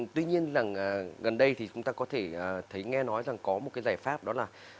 tuy nhiên là gần đây thì chúng ta có thể thấy nghe nói rằng có một cái giải pháp đó là